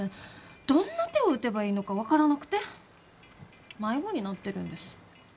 どんな手を打てばいいのか分からなくて迷子になってるんです。